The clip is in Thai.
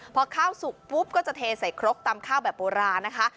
พอข้าวสุกปุ๊บก็จะเทใส่ครกตำข้าวแบบโบราณนะคะ